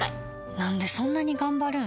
なんでそんなに頑張るん？